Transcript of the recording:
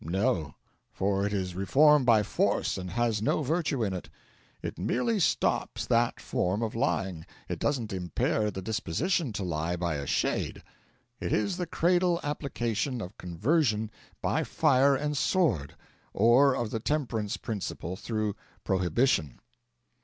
No; for it is reform by force and has no virtue in it; it merely stops that form of lying, it doesn't impair the disposition to lie, by a shade. It is the cradle application of conversion by fire and sword, or of the temperance principle through prohibition.